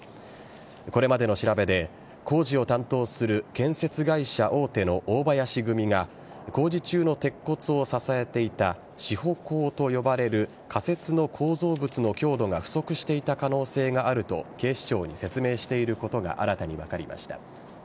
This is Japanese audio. これまでの調べで工事を担当する建設会社大手の大林組が工事中の鉄骨を支えていた支保工と呼ばれる仮設の構造物の強度が不足していた可能性があると警視庁に説明していることが新たに分かりました。